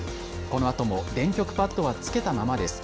このあとも電極パッドはつけたままです。